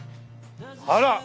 あら！